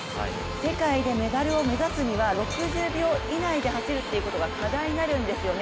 世界でメダルを目指すには６０秒以内で走るということが課題になるんですよね。